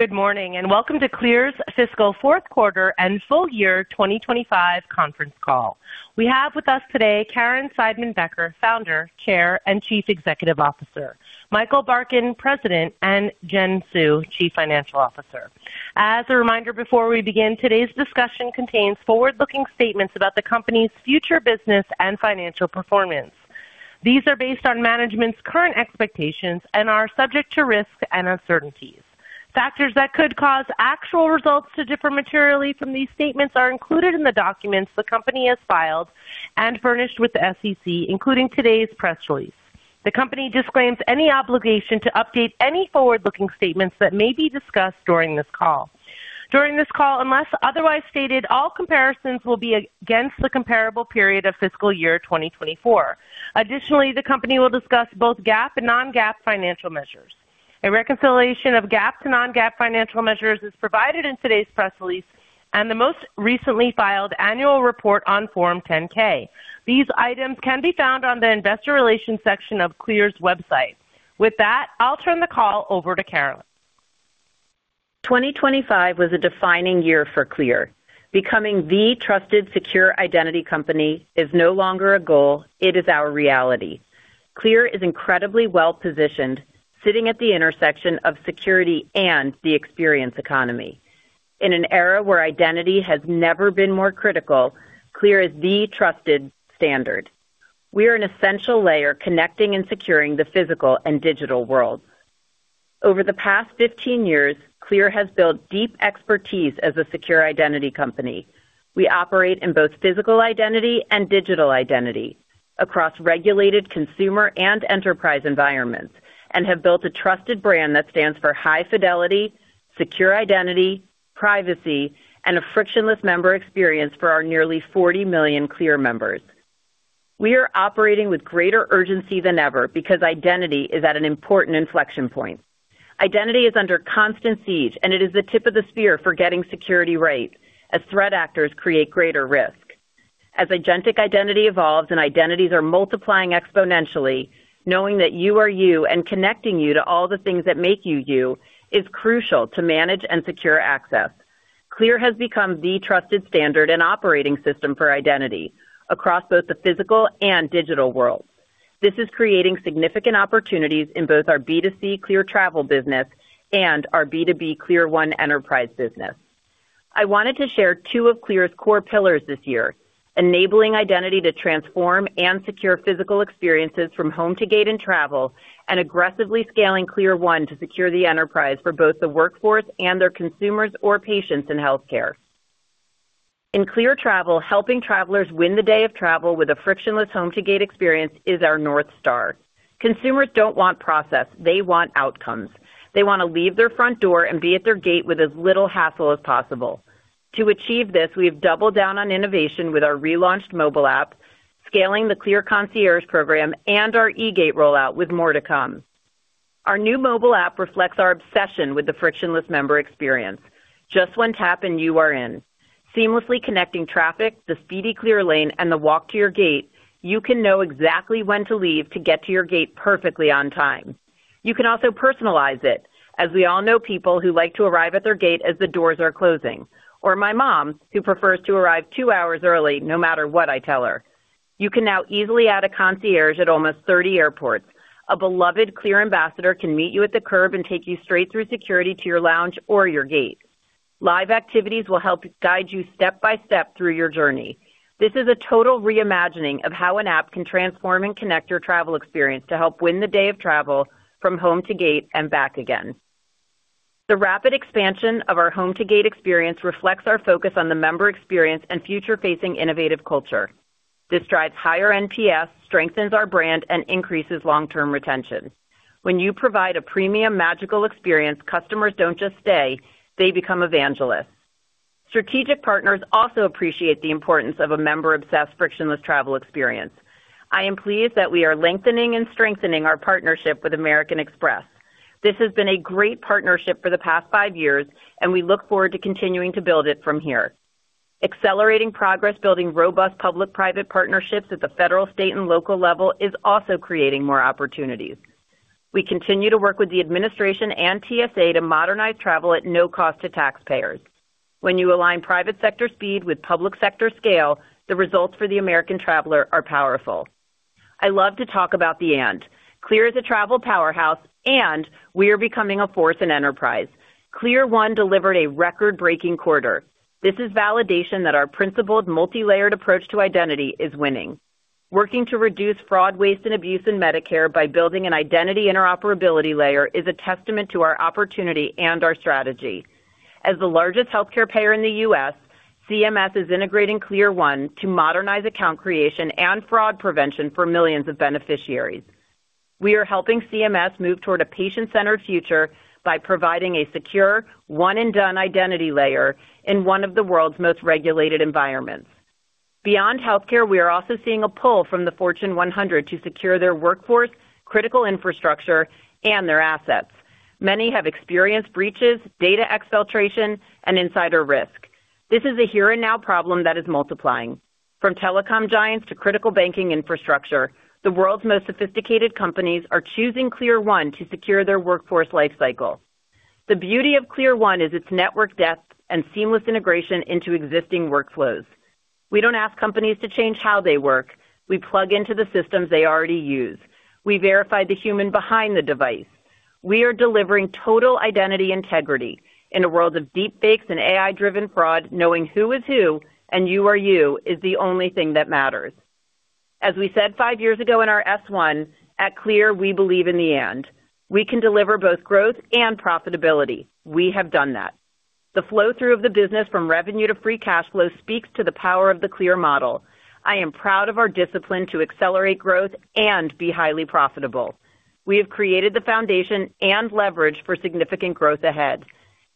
Good morning, and welcome to CLEAR's fiscal fourth quarter and full year 2025 conference call. We have with us today, Caryn Seidman-Becker, Founder, Chair, and Chief Executive Officer, Michael Z. Barkin, President, and Jennifer Hsu, Chief Financial Officer. As a reminder, before we begin, today's discussion contains forward-looking statements about the company's future, business, and financial performance. These are based on management's current expectations and are subject to risks and uncertainties. Factors that could cause actual results to differ materially from these statements are included in the documents the company has filed and furnished with the SEC, including today's press release. The company disclaims any obligation to update any forward-looking statements that may be discussed during this call. During this call, unless otherwise stated, all comparisons will be against the comparable period of fiscal year 2024. Additionally, the company will discuss both GAAP and non-GAAP financial measures. A reconciliation of GAAP to non-GAAP financial measures is provided in today's press release and the most recently filed annual report on Form 10-K. These items can be found on the investor relations section of CLEAR's website. With that, I'll turn the call over to Caryn. 2025 was a defining year for CLEAR. Becoming the trusted, secure identity company is no longer a goal, it is our reality. CLEAR is incredibly well-positioned, sitting at the intersection of security and the experience economy. In an era where identity has never been more critical, CLEAR is the trusted standard. We are an essential layer, connecting and securing the physical and digital world. Over the past 15 years, CLEAR has built deep expertise as a secure identity company. We operate in both physical identity and digital identity across regulated consumer and enterprise environments, and have built a trusted brand that stands for high fidelity, secure identity, privacy, and a frictionless member experience for our nearly 40 million CLEAR members. We are operating with greater urgency than ever because identity is at an important inflection point. Identity is under constant siege. It is the tip of the spear for getting security right as threat actors create greater risk. As agentic identity evolves and identities are multiplying exponentially, knowing that you are you and connecting you to all the things that make you, is crucial to manage and secure access. CLEAR has become the trusted standard and operating system for identity across both the physical and digital world. This is creating significant opportunities in both our B2C CLEAR travel business and our B2B CLEAR1 enterprise business. I wanted to share two of CLEAR's core pillars this year, enabling identity to transform and secure physical experiences from Home to Gate and travel, and aggressively scaling CLEAR1 to secure the enterprise for both the workforce and their consumers or patients in healthcare. In CLEAR travel, helping travelers win the day of travel with a frictionless Home to Gate experience is our North Star. Consumers don't want process, they want outcomes. They want to leave their front door and be at their gate with as little hassle as possible. To achieve this, we've doubled down on innovation with our relaunched mobile app, scaling the CLEAR Concierge program and our eGate rollout with more to come. Our new mobile app reflects our obsession with the frictionless member experience. Just one tap and you are in. Seamlessly connecting traffic, the speedy CLEAR lane, and the walk to your gate, you can know exactly when to leave to get to your gate perfectly on time. You can also personalize it, as we all know people who like to arrive at their gate as the doors are closing, or my mom, who prefers to arrive two hours early, no matter what I tell her. You can now easily add a concierge at almost 30 airports. A beloved CLEAR ambassador can meet you at the curb and take you straight through security to your lounge or your gate. Live Activities will help guide you step by step through your journey. This is a total reimagining of how an app can transform and connect your travel experience to help win the day of travel from Home to Gate and back again. The rapid expansion of our Home to Gate experience reflects our focus on the member experience and future-facing innovative culture. This drives higher NPS, strengthens our brand, and increases long-term retention. When you provide a premium, magical experience, customers don't just stay, they become evangelists. Strategic partners also appreciate the importance of a member-obsessed, frictionless travel experience. I am pleased that we are lengthening and strengthening our partnership with American Express. This has been a great partnership for the past five years. We look forward to continuing to build it from here. Accelerating progress, building robust public-private partnerships at the federal, state, and local level is also creating more opportunities. We continue to work with the administration and TSA to modernize travel at no cost to taxpayers. When you align private sector speed with public sector scale, the results for the American traveler are powerful. I love to talk about the and. CLEAR is a travel powerhouse. We are becoming a force in enterprise. CLEAR1 delivered a record-breaking quarter. This is validation that our principled, multilayered approach to identity is winning. Working to reduce fraud, waste, and abuse in Medicare by building an identity interoperability layer is a testament to our opportunity and our strategy. As the largest healthcare payer in the U.S., CMS is integrating CLEAR1 to modernize account creation and fraud prevention for millions of beneficiaries. We are helping CMS move toward a patient-centered future by providing a secure one-and-done identity layer in one of the world's most regulated environments. Beyond healthcare, we are also seeing a pull from the Fortune 100 to secure their workforce, critical infrastructure, and their assets. Many have experienced breaches, data exfiltration, and insider risk. This is a here and now problem that is multiplying. From telecom giants to critical banking infrastructure, the world's most sophisticated companies are choosing CLEAR1 to secure their workforce life cycle. The beauty of CLEAR1 is its network depth and seamless integration into existing workflows. We don't ask companies to change how they work. We plug into the systems they already use. We verify the human behind the device. We are delivering total identity integrity. In a world of deepfakes and AI-driven fraud, knowing who is who, and you are you, is the only thing that matters. As we said five years ago in our Form S-1, at CLEAR, we believe in the end, we can deliver both growth and profitability. We have done that. The flow through of the business from revenue to free cash flow speaks to the power of the CLEAR model. I am proud of our discipline to accelerate growth and be highly profitable. We have created the foundation and leverage for significant growth ahead.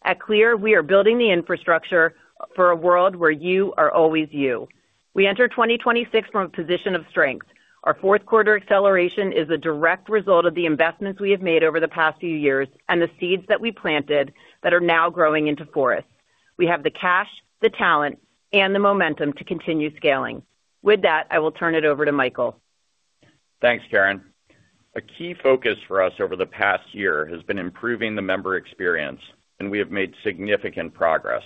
At CLEAR, we are building the infrastructure for a world where you are always you. We enter 2026 from a position of strength. Our fourth quarter acceleration is a direct result of the investments we have made over the past few years and the seeds that we planted that are now growing into forests. We have the cash, the talent, and the momentum to continue scaling. With that, I will turn it over to Michael. Thanks, Caryn. A key focus for us over the past year has been improving the member experience. We have made significant progress.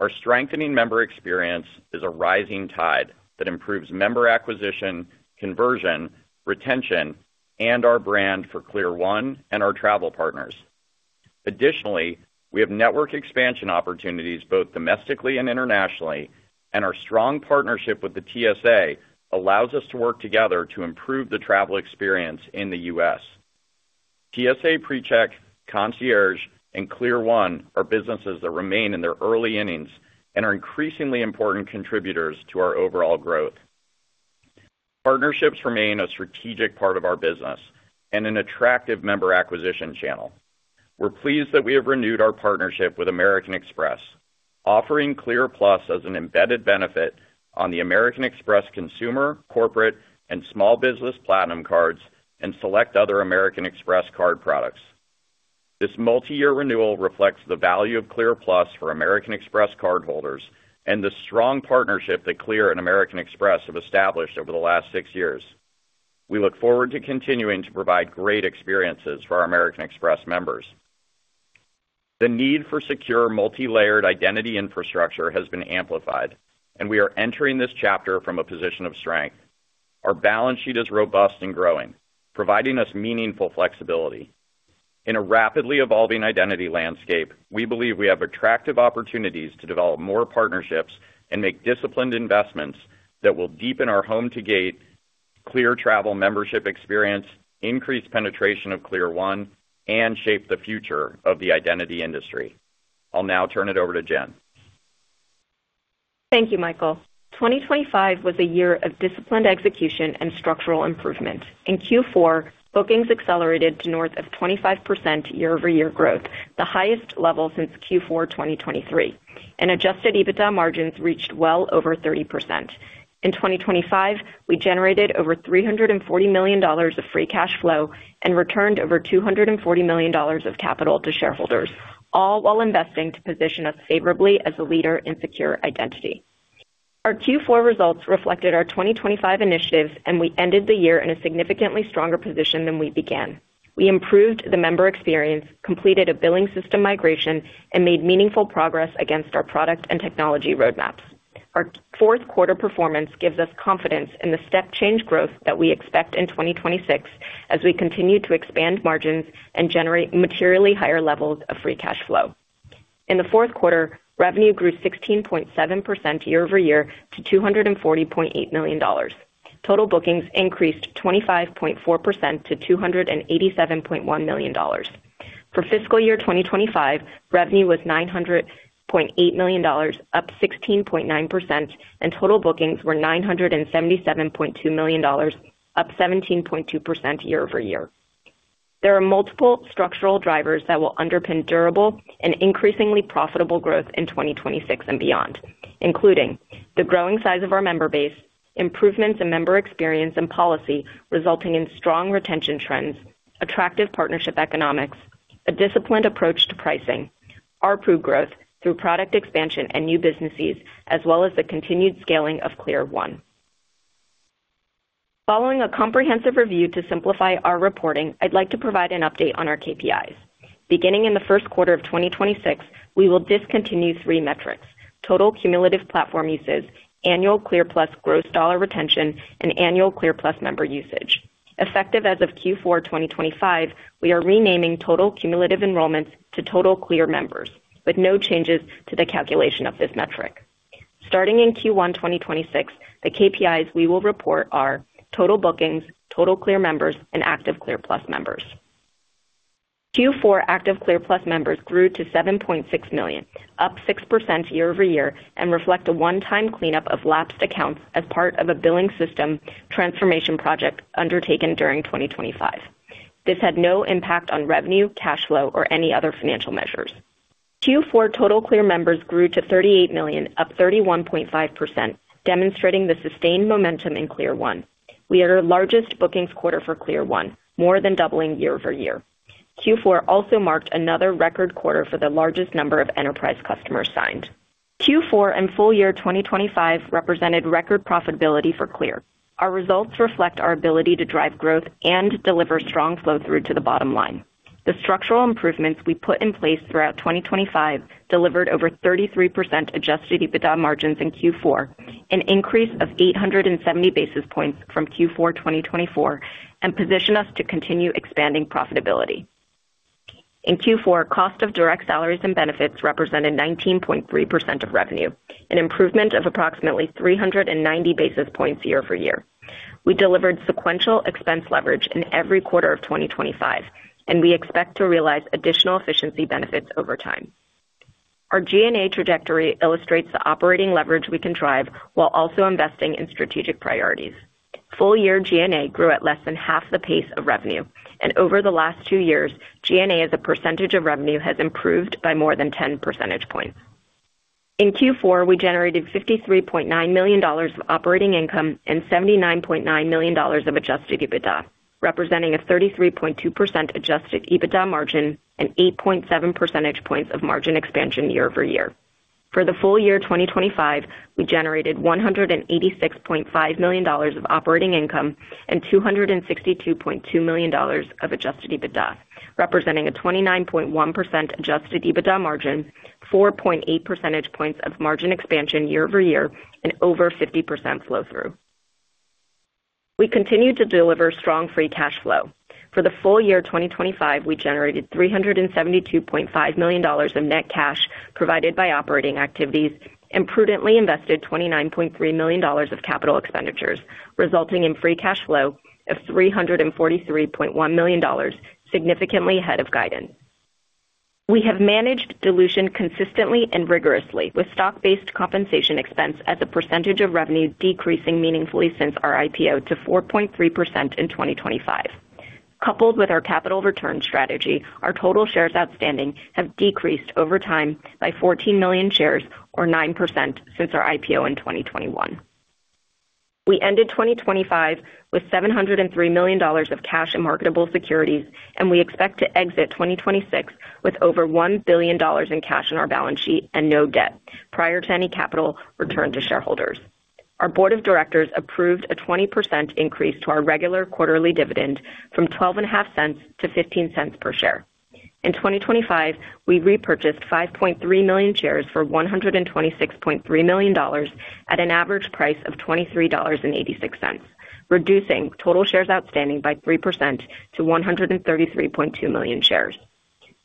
Our strengthening member experience is a rising tide that improves member acquisition, conversion, retention, and our brand for CLEAR1 and our travel partners. Additionally, we have network expansion opportunities, both domestically and internationally, and our strong partnership with the TSA allows us to work together to improve the travel experience in the U.S. TSA PreCheck, Concierge, and CLEAR1 are businesses that remain in their early innings and are increasingly important contributors to our overall growth. Partnerships remain a strategic part of our business and an attractive member acquisition channel. We're pleased that we have renewed our partnership with American Express, offering CLEAR+ as an embedded benefit on the American Express consumer, corporate, and small business platinum cards, and select other American Express card products. This multi-year renewal reflects the value of CLEAR+ for American Express cardholders and the strong partnership that CLEAR and American Express have established over the last six years. We look forward to continuing to provide great experiences for our American Express members. The need for secure, multilayered identity infrastructure has been amplified, and we are entering this chapter from a position of strength. Our balance sheet is robust and growing, providing us meaningful flexibility. In a rapidly evolving identity landscape, we believe we have attractive opportunities to develop more partnerships and make disciplined investments that will deepen our Home to Gate CLEAR travel membership experience, increase penetration of CLEAR1, and shape the future of the identity industry. I'll now turn it over to Jen. Thank you, Michael. 2025 was a year of disciplined execution and structural improvement. In Q4, bookings accelerated to north of 25% year-over-year growth, the highest level since Q4 2023, and adjusted EBITDA margins reached well over 30%. In 2025, we generated over $340 million of free cash flow and returned over $240 million of capital to shareholders, all while investing to position us favorably as a leader in secure identity. Our Q4 results reflected our 2025 initiatives, and we ended the year in a significantly stronger position than we began. We improved the member experience, completed a billing system migration, and made meaningful progress against our product and technology roadmaps. Our fourth quarter performance gives us confidence in the step change growth that we expect in 2026, as we continue to expand margins and generate materially higher levels of free cash flow. In the fourth quarter, revenue grew 16.7% year-over-year to $240.8 million. Total Bookings increased 25.4% to $287.1 million. For fiscal year 2025, revenue was $900.8 million, up 16.9%, and Total Bookings were $977.2 million, up 17.2% year-over-year. There are multiple structural drivers that will underpin durable and increasingly profitable growth in 2026 and beyond, including the growing size of our member base, improvements in member experience and policy, resulting in strong retention trends, attractive partnership economics, a disciplined approach to pricing, our proof growth through product expansion and new businesses, as well as the continued scaling of CLEAR1. Following a comprehensive review to simplify our reporting, I'd like to provide an update on our KPIs. Beginning in the first quarter of 2026, we will discontinue 3 metrics: total cumulative platform uses, annual CLEAR+ gross dollar retention, and annual CLEAR+ member usage. Effective as of Q4 2025, we are renaming total cumulative enrollments to Total CLEAR Members, with no changes to the calculation of this metric. Starting in Q1 2026, the KPIs we will report are Total Bookings, Total Clear Members, and Active Clear+ Members. Q4 Active Clear+ Members grew to 7.6 million, up 6% year-over-year, and reflect a one-time cleanup of lapsed accounts as part of a billing system transformation project undertaken during 2025. This had no impact on revenue, cash flow, or any other financial measures. Q4 Total Clear Members grew to 38 million, up 31.5%, demonstrating the sustained momentum in CLEAR1. We had our largest bookings quarter for CLEAR1, more than doubling year-over-year. Q4 also marked another record quarter for the largest number of enterprise customers signed. Q4 and full year 2025 represented record profitability for CLEAR. Our results reflect our ability to drive growth and deliver strong flow through to the bottom line. The structural improvements we put in place throughout 2025 delivered over 33% adjusted EBITDA margins in Q4, an increase of 870 basis points from Q4 2024, and position us to continue expanding profitability. In Q4, cost of direct salaries and benefits represented 19.3% of revenue, an improvement of approximately 390 basis points year-over-year. We delivered sequential expense leverage in every quarter of 2025, and we expect to realize additional efficiency benefits over time. Our G&A trajectory illustrates the operating leverage we can drive while also investing in strategic priorities. Full year G&A grew at less than half the pace of revenue, and over the last two years, G&A, as a percentage of revenue, has improved by more than 10 percentage points. In Q4, we generated $53.9 million of operating income and $79.9 million of adjusted EBITDA, representing a 33.2% adjusted EBITDA margin and 8.7 percentage points of margin expansion year-over-year. For the full year 2025, we generated $186.5 million of operating income and $262.2 million of adjusted EBITDA, representing a 29.1% adjusted EBITDA margin, 4.8 percentage points of margin expansion year-over-year, and over 50% flow through. We continued to deliver strong free cash flow. For the full year 2025, we generated $372.5 million of net cash provided by operating activities and prudently invested $29.3 million of capital expenditures, resulting in free cash flow of $343.1 million, significantly ahead of guidance. We have managed dilution consistently and rigorously, with stock-based compensation expense as a percentage of revenue decreasing meaningfully since our IPO to 4.3% in 2025. Coupled with our capital return strategy, our total shares outstanding have decreased over time by 14 million shares, or 9% since our IPO in 2021. We ended 2025 with $703 million of cash and marketable securities, and we expect to exit 2026 with over $1 billion in cash on our balance sheet and no debt prior to any capital returned to shareholders. Our board of directors approved a 20% increase to our regular quarterly dividend from $0.125 to $0.15 per share. In 2025, we repurchased 5.3 million shares for $126.3 million at an average price of $23.86, reducing total shares outstanding by 3% to 133.2 million shares.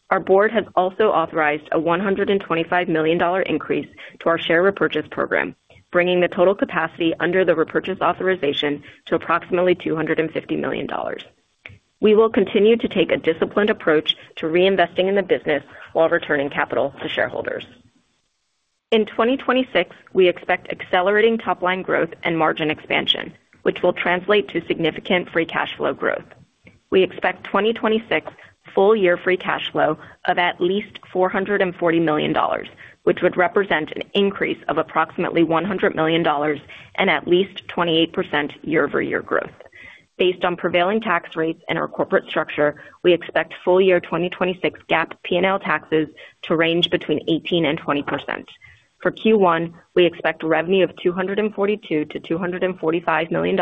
Our board has also authorized a $125 million increase to our share repurchase program, bringing the total capacity under the repurchase authorization to approximately $250 million. We will continue to take a disciplined approach to reinvesting in the business while returning capital to shareholders. In 2026, we expect accelerating top-line growth and margin expansion, which will translate to significant free cash flow growth. We expect 2026 full year free cash flow of at least $440 million, which would represent an increase of approximately $100 million and at least 28% year-over-year growth. Based on prevailing tax rates and our corporate structure, we expect full year 2026 GAAP P&L taxes to range between 18% and 20%. For Q1, we expect revenue of $242 million-$245 million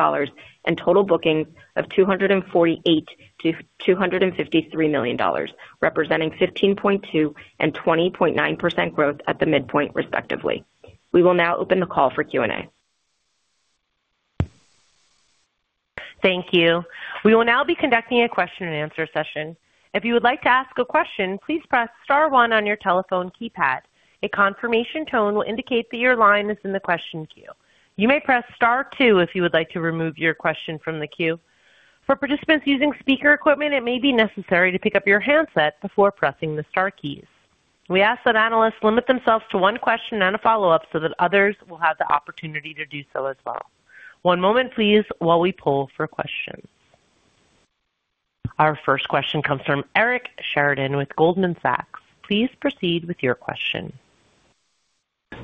and Total Bookings of $248 million-$253 million, representing 15.2% and 20.9% growth at the midpoint, respectively. We will now open the call for Q&A. Thank you. We will now be conducting a question and answer session. If you would like to ask a question, please press star one on your telephone keypad. A confirmation tone will indicate that your line is in the question queue. You may press star two if you would like to remove your question from the queue. For participants using speaker equipment, it may be necessary to pick up your handset before pressing the star keys. We ask that analysts limit themselves to one question and a follow-up so that others will have the opportunity to do so as well. One moment, please, while we pull for questions. Our first question comes from Eric Sheridan with Goldman Sachs. Please proceed with your question.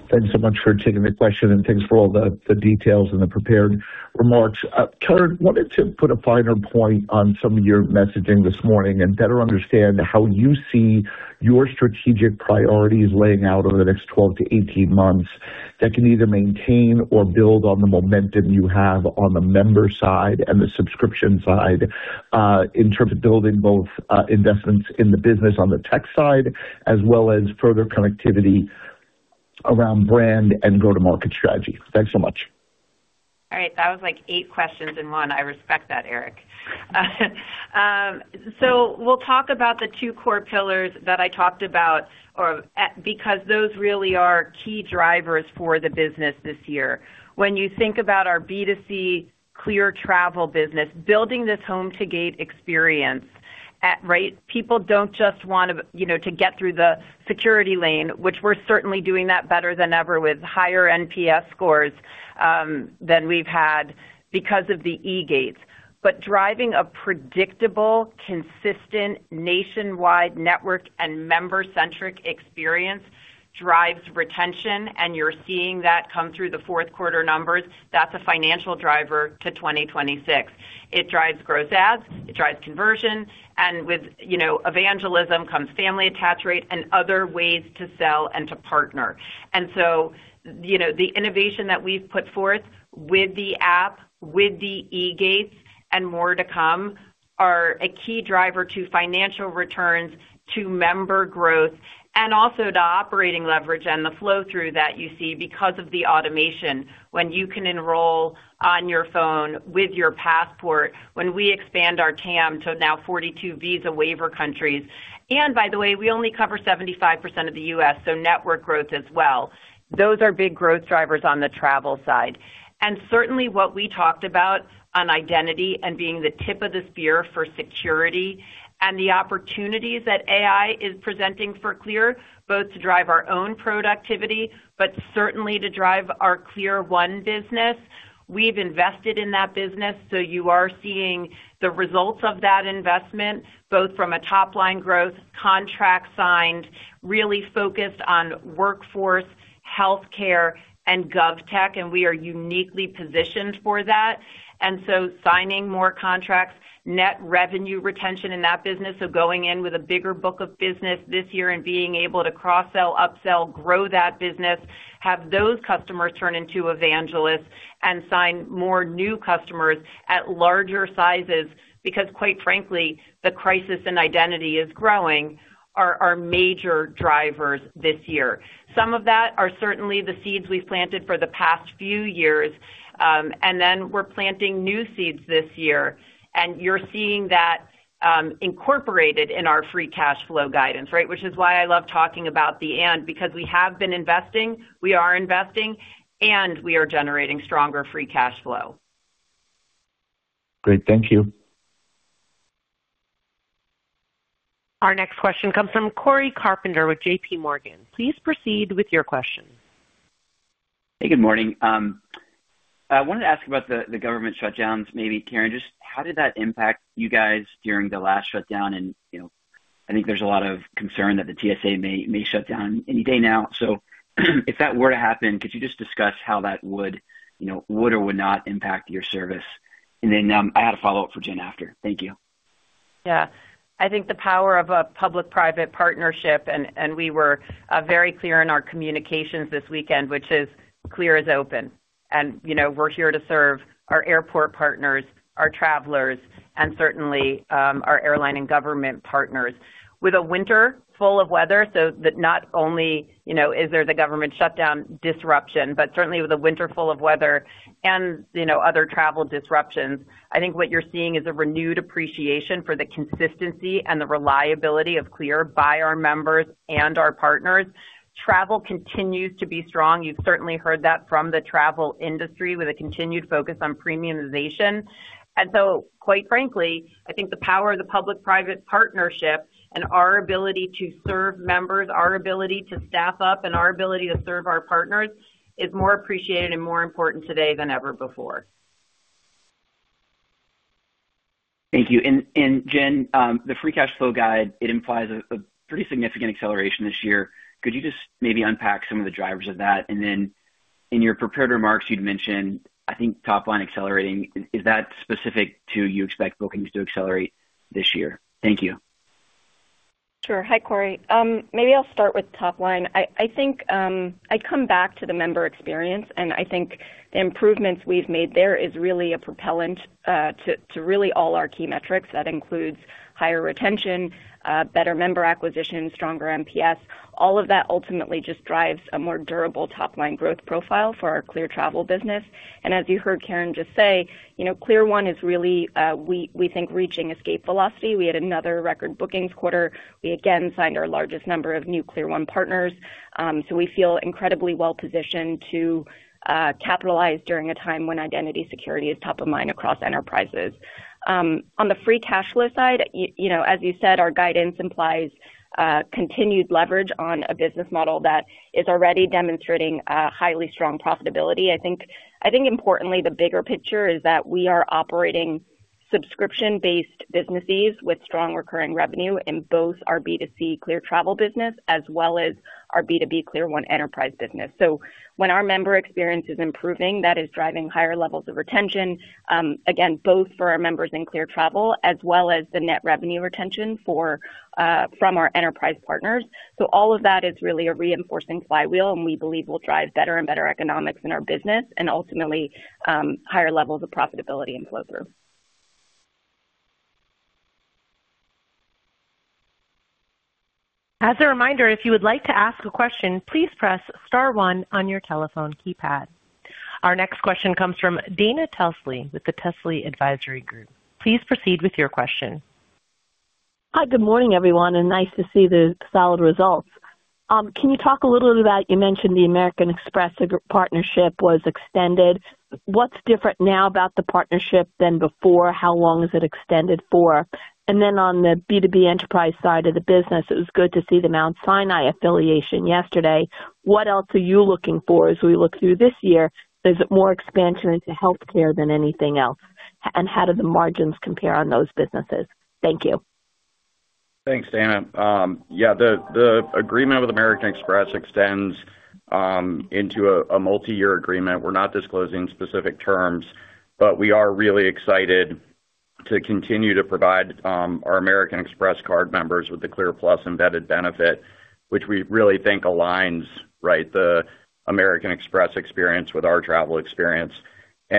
Thanks so much for taking the question, and thanks for all the details and the prepared remarks. Caryn, wanted to put a finer point on some of your messaging this morning and better understand how you see your strategic priorities laying out over the next 12 to 18 months that can either maintain or build on the momentum you have on the member side and the subscription side, in terms of building both investments in the business on the tech side, as well as further connectivity around brand and go-to-market strategy. Thanks so much. All right. That was like eight questions in one. I respect that, Eric. We'll talk about the two core pillars that I talked about because those really are key drivers for the business this year. When you think about our B2C CLEAR travel business, building this Home to Gate experience, at, right? People don't just want to, you know, to get through the security lane, which we're certainly doing that better than ever with higher NPS scores than we've had because of the eGates. Driving a predictable, consistent, nationwide network and member-centric experience drives retention, and you're seeing that come through the fourth quarter numbers. That's a financial driver to 2026. It drives gross adds, it drives conversion, and with, you know, evangelism comes family attach rate and other ways to sell and to partner. You know, the innovation that we've put forth with the app, with the eGates, and more to come, are a key driver to financial returns, to member growth, and also the operating leverage and the flow-through that you see because of the automation. When you can enroll on your phone with your passport, when we expand our TAM to now 42 Visa Waiver countries, and by the way, we only cover 75% of the U.S., so network growth as well. Those are big growth drivers on the travel side. Certainly, what we talked about on identity and being the tip of the spear for security and the opportunities that AI is presenting for CLEAR, both to drive our own productivity, but certainly to drive our CLEAR1 business. We've invested in that business, so you are seeing the results of that investment, both from a top-line growth, contract signed, really focused on workforce, healthcare, and GovTech, and we are uniquely positioned for that. Signing more contracts, net revenue retention in that business, so going in with a bigger book of business this year and being able to cross-sell, upsell, grow that business, have those customers turn into evangelists, and sign more new customers at larger sizes, because, quite frankly, the crisis in identity is growing, are major drivers this year. Some of that are certainly the seeds we've planted for the past few years. We're planting new seeds this year. You're seeing that incorporated in our free cash flow guidance, right? Which is why I love talking about the and. We have been investing, we are investing, and we are generating stronger free cash flow. Great. Thank you. Our next question comes from Cory Carpenter with JPMorgan. Please proceed with your question. Hey, good morning. I wanted to ask about the government shutdowns, maybe, Caryn, just how did that impact you guys during the last shutdown? You know, I think there's a lot of concern that the TSA may shut down any day now. If that were to happen, could you just discuss how that would, you know, would or would not impact your service? Then, I had a follow-up for Jen after. Thank you. Yeah. I think the power of a public-private partnership, and we were very clear in our communications this weekend, which is CLEAR is open. You know, we're here to serve our airport partners, our travelers, and certainly our airline and government partners. With a winter full of weather, so that not only, you know, is there the government shutdown disruption, but certainly with a winter full of weather and, you know, other travel disruptions, I think what you're seeing is a renewed appreciation for the consistency and the reliability of CLEAR by our members and our partners. Travel continues to be strong. You've certainly heard that from the travel industry, with a continued focus on premiumization. Quite frankly, I think the power of the public-private partnership and our ability to serve members, our ability to staff up, and our ability to serve our partners, is more appreciated and more important today than ever before. Thank you. Jen, the free cash flow guide, it implies a pretty significant acceleration this year. Could you just maybe unpack some of the drivers of that? In your prepared remarks, you'd mentioned, I think, top line accelerating. Is that specific to you expect bookings to accelerate this year? Thank you. Sure. Hi, Cory. Maybe I'll start with top-line. I think, I come back to the member experience, and I think the improvements we've made there is really a propellant to really all our key metrics. That includes higher retention, better member acquisition, stronger NPS. All of that ultimately just drives a more durable top-line growth profile for our CLEAR travel business. As you heard Caryn just say, you know, CLEAR1 is really, we think, reaching escape velocity. We had another record bookings quarter. We again signed our largest number of new CLEAR1 partners. So we feel incredibly well positioned to capitalize during a time when identity security is top of mind across enterprises. On the free cash flow side, you know, as you said, our guidance implies continued leverage on a business model that is already demonstrating highly strong profitability. I think importantly, the bigger picture is that we are operating subscription-based businesses with strong recurring revenue in both our B2C CLEAR travel business as well as our B2B CLEAR1 enterprise business. When our member experience is improving, that is driving higher levels of retention, again, both for our members in CLEAR travel as well as the net revenue retention for from our enterprise partners. All of that is really a reinforcing flywheel, and we believe will drive better and better economics in our business and ultimately, higher levels of profitability and flow-through. As a reminder, if you would like to ask a question, please press star one on your telephone keypad. Our next question comes from Dana Telsey with the Telsey Advisory Group. Please proceed with your question. Hi, good morning, everyone. Nice to see the solid results. Can you talk a little bit about, you mentioned the American Express partnership was extended. What's different now about the partnership than before? How long is it extended for? Then on the B2B enterprise side of the business, it was good to see the Mount Sinai affiliation yesterday. What else are you looking for as we look through this year? Is it more expansion into healthcare than anything else? How do the margins compare on those businesses? Thank you. Thanks, Dana. Yeah, the agreement with American Express extends into a multi-year agreement. We're not disclosing specific terms, but we are really excited to continue to provide our American Express card members with the CLEAR+ embedded benefit, which we really think aligns, right, the American Express experience with our travel experience.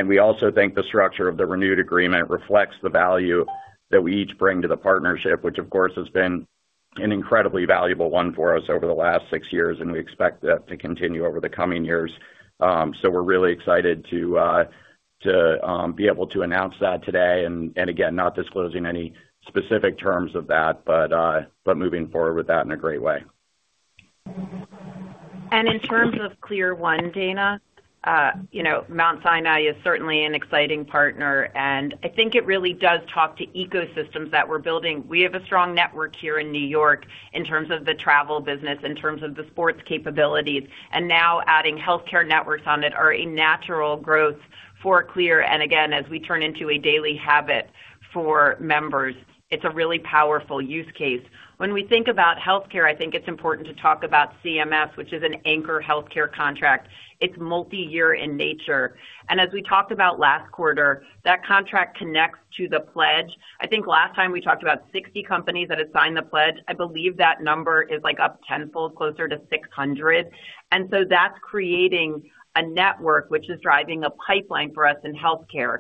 We also think the structure of the renewed agreement reflects the value that we each bring to the partnership, which of course, has been an incredibly valuable one for us over the last six years, and we expect that to continue over the coming years. We're really excited to be able to announce that today, again, not disclosing any specific terms of that, but moving forward with that in a great way. In terms of CLEAR1, Dana, you know, Mount Sinai is certainly an exciting partner, and I think it really does talk to ecosystems that we're building. We have a strong network here in New York in terms of the travel business, in terms of the sports capabilities, and now adding healthcare networks on it are a natural growth for CLEAR. Again, as we turn into a daily habit for members, it's a really powerful use case. When we think about healthcare, I think it's important to talk about CMS, which is an anchor healthcare contract. It's multi-year in nature, and as we talked about last quarter, that contract connects to the pledge. I think last time we talked about 60 companies that had signed the pledge. I believe that number is, like, up tenfold, closer to 600. That's creating a network which is driving a pipeline for us in healthcare.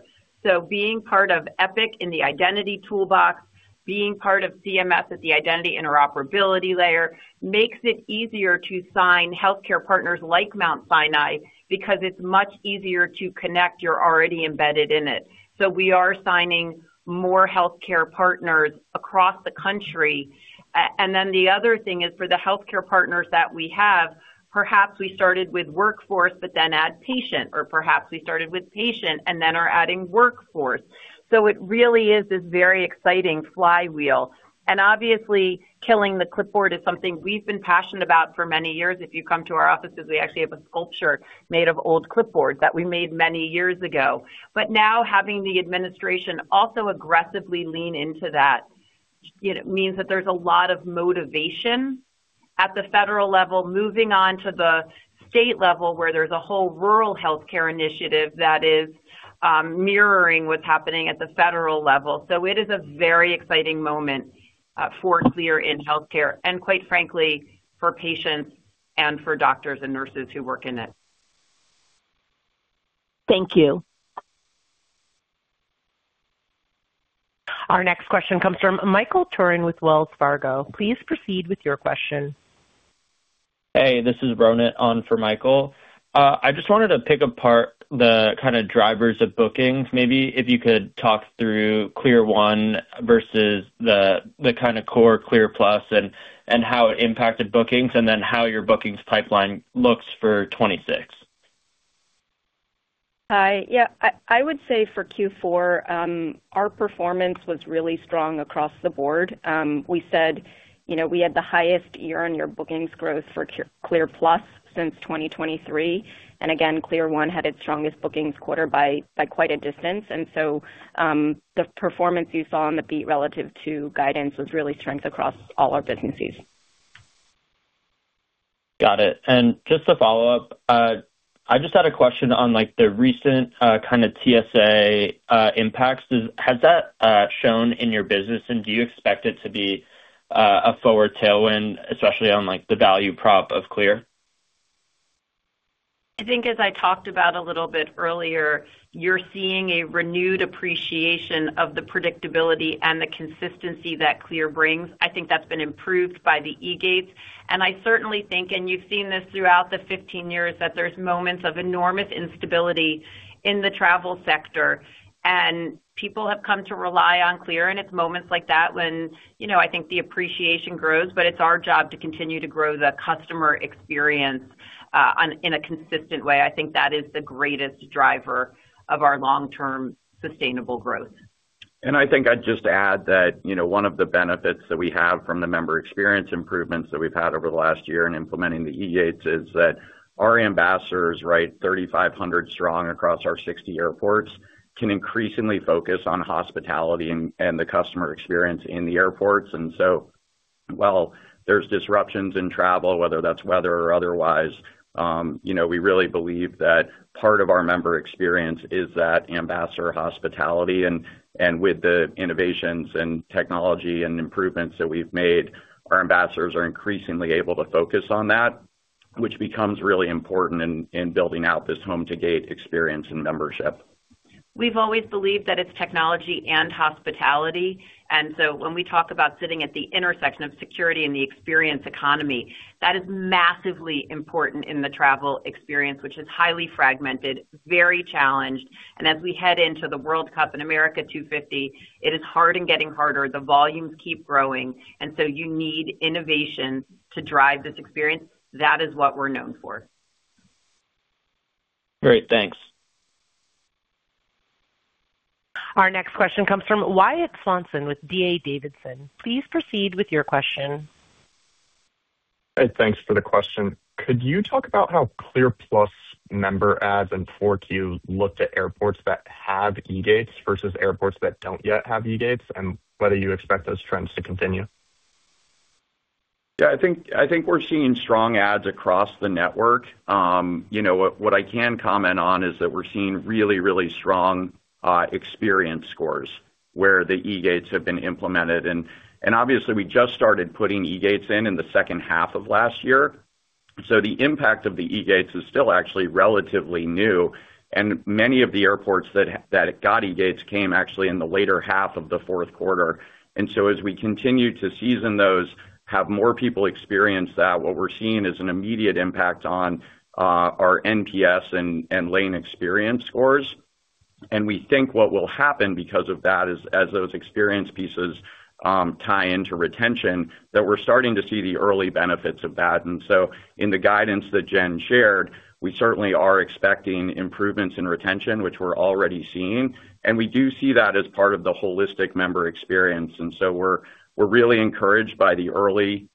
Being part of Epic in the identity toolbox, being part of CMS at the identity interoperability layer, makes it easier to sign healthcare partners like Mount Sinai because it's much easier to connect. You're already embedded in it. We are signing more healthcare partners across the country. The other thing is, for the healthcare partners that we have, perhaps we started with workforce, but then add patient, or perhaps we started with patient and then are adding workforce. It really is this very exciting flywheel. Obviously, killing the clipboard is something we've been passionate about for many years. If you come to our offices, we actually have a sculpture made of old clipboards that we made many years ago. Now, having the administration also aggressively lean into that, it means that there's a lot of motivation at the federal level, moving on to the state level, where there's a whole rural healthcare initiative that is mirroring what's happening at the federal level. It is a very exciting moment for CLEAR in healthcare and quite frankly, for patients and for doctors and nurses who work in it. Thank you. Our next question comes from Michael Turrin with Wells Fargo. Please proceed with your question. Hey, this is Ronit on for Michael. I just wanted to pick apart the kind of drivers of bookings. Maybe if you could talk through CLEAR1 versus the kind of core CLEAR+ and how it impacted bookings, and then how your bookings pipeline looks for 2026. Hi. Yeah, I would say for Q4, our performance was really strong across the board. We said, you know, we had the highest year-on-year bookings growth for CLEAR+ since 2023, and again, CLEAR1 had its strongest bookings quarter by quite a distance. So, the performance you saw on the beat relative to guidance was really strength across all our businesses. Got it. Just to follow up, I just had a question on, like, the recent, kind of TSA, impacts. Has that shown in your business, and do you expect it to be a forward tailwind, especially on, like, the value prop of CLEAR? I think, as I talked about a little bit earlier, you're seeing a renewed appreciation of the predictability and the consistency that CLEAR brings. I think that's been improved by the eGates, and I certainly think, and you've seen this throughout the 15 years, that there's moments of enormous instability in the travel sector, and people have come to rely on CLEAR, and it's moments like that when, you know, I think the appreciation grows, but it's our job to continue to grow the customer experience, on, in a consistent way. I think that is the greatest driver of our long-term sustainable growth. I think I'd just add that, you know, one of the benefits that we have from the member experience improvements that we've had over the last year in implementing the eGates, is that our ambassadors, right, 3,500 strong across our 60 airports, can increasingly focus on hospitality and the customer experience in the airports. While there's disruptions in travel, whether that's weather or otherwise, you know, we really believe that part of our member experience is that ambassador hospitality. And with the innovations and technology and improvements that we've made, our ambassadors are increasingly able to focus on that, which becomes really important in building out this Home-to-Gate experience and membership. We've always believed that it's technology and hospitality, when we talk about sitting at the intersection of security and the experience economy, that is massively important in the travel experience, which is highly fragmented, very challenged. As we head into the World Cup in America 250, it is hard and getting harder. The volumes keep growing, and so you need innovation to drive this experience. That is what we're known for. Great, thanks. Our next question comes from Wyatt Swanson with D.A. Davidson. Please proceed with your question. Hey, thanks for the question. Could you talk about how CLEAR+ member ads in 4Q looked at airports that have eGates versus airports that don't yet have eGates, and whether you expect those trends to continue? Yeah, I think we're seeing strong ads across the network. You know, what I can comment on is that we're seeing really strong experience scores where the eGates have been implemented. Obviously, we just started putting eGates in the second half of last year, so the impact of the eGates is still actually relatively new. Many of the airports that got eGates came actually in the later half of the fourth quarter. As we continue to season those, have more people experience that, what we're seeing is an immediate impact on our NPS and lane experience scores. We think what will happen because of that is, as those experience pieces tie into retention, that we're starting to see the early benefits of that. In the guidance that Jen shared, we certainly are expecting improvements in retention, which we're already seeing, and we do see that as part of the holistic member experience. We're really encouraged by the early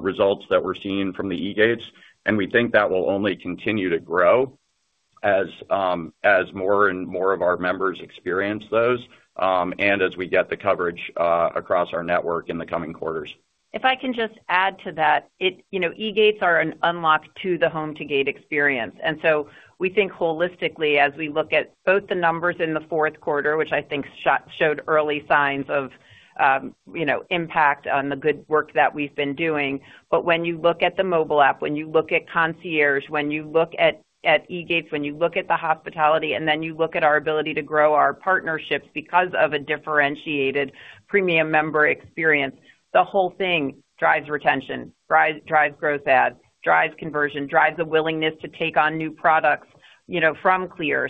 results that we're seeing from the eGates, and we think that will only continue to grow as more and more of our members experience those, and as we get the coverage across our network in the coming quarters. If I can just add to that, you know, eGates are an unlock to the Home to Gate experience. We think holistically as we look at both the numbers in the fourth quarter, which I think showed early signs of, you know, impact on the good work that we've been doing. When you look at the mobile app, when you look at concierge, when you look at eGates, when you look at the hospitality, and then you look at our ability to grow our partnerships because of a differentiated premium member experience, the whole thing drives retention, drives gross adds, drives conversion, drives a willingness to take on new products, you know, from CLEAR.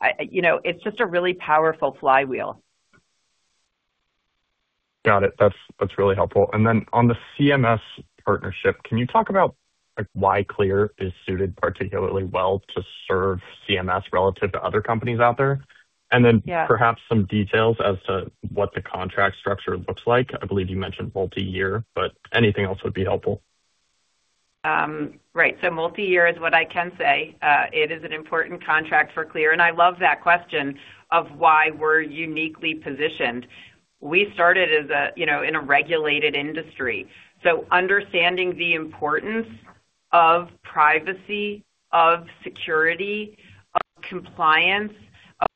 I, you know, it's just a really powerful flywheel. Got it. That's really helpful. Then on the CMS partnership, can you talk about, like, why CLEAR is suited particularly well to serve CMS relative to other companies out there? Yeah. Then perhaps some details as to what the contract structure looks like. I believe you mentioned multi-year, but anything else would be helpful. Right. Multi-year is what I can say. It is an important contract for CLEAR, I love that question of why we're uniquely positioned. We started as a, you know, in a regulated industry, understanding the importance of privacy, of security, of compliance,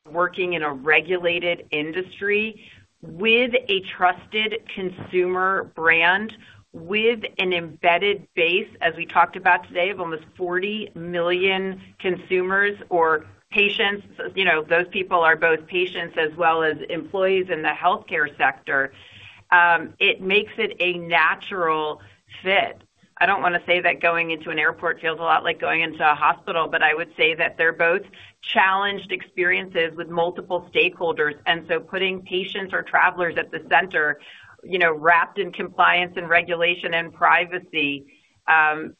of working in a regulated industry with a trusted consumer brand, with an embedded base, as we talked about today, of almost 40 million consumers or patients. You know, those people are both patients as well as employees in the healthcare sector. It makes it a natural fit. I don't wanna say that going into an airport feels a lot like going into a hospital, but I would say that they're both challenged experiences with multiple stakeholders, putting patients or travelers at the center, you know, wrapped in compliance and regulation and privacy,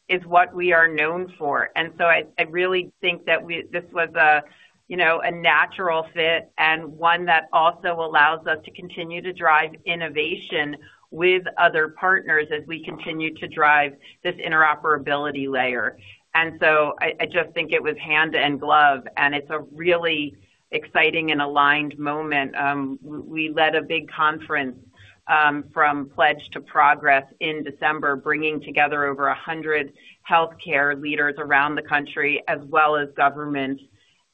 is what we are known for. I really think that this was a, you know, a natural fit and one that also allows us to continue to drive innovation with other partners as we continue to drive this interoperability layer. I just think it was hand and glove, and it's a really exciting and aligned moment. We led a big conference, From Pledge to Progress in December, bringing together over 100 healthcare leaders around the country as well as government.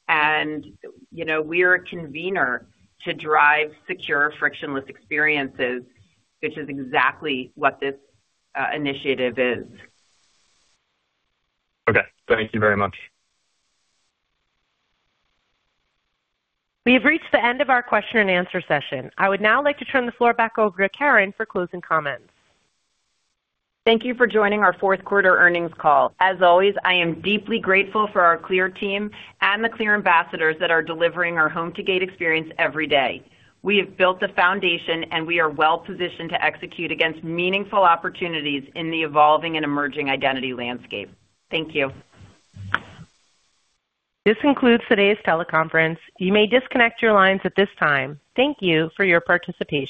You know, we're a convener to drive secure, frictionless experiences, which is exactly what this initiative is. Okay, thank you very much. We have reached the end of our question and answer session. I would now like to turn the floor back over to Caryn for closing comments. Thank you for joining our fourth quarter earnings call. As always, I am deeply grateful for our CLEAR team and the CLEAR ambassadors that are delivering our Home to Gate experience every day. We have built the foundation, and we are well-positioned to execute against meaningful opportunities in the evolving and emerging identity landscape. Thank you. This concludes today's teleconference. You may disconnect your lines at this time. Thank you for your participation.